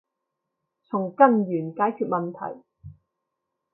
從根源解決問題